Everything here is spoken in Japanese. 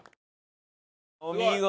お見事。